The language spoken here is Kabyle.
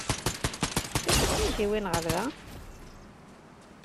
D acu i kem-id-yewwin ɣer da?